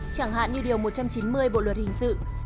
chẳng hạn như điều một trăm chín mươi bộ luật hình sự